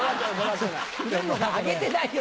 あげてないよ